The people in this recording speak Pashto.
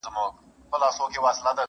د رنځور لېوه ژړا یې اورېدله!.